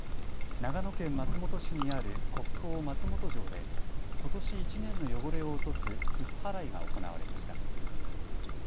長野県松本市にある国宝・松本城でことし１年の汚れを落とすすす払いが行われました。